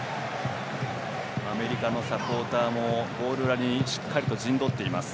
アメリカのサポーターもゴール裏にしっかりと陣取っています。